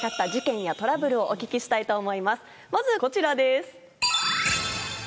まずこちらです。